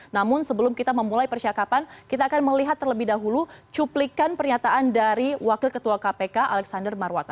namun sebelum kita memulai percakapan kita akan melihat terlebih dahulu cuplikan pernyataan dari wakil ketua kpk alexander marwata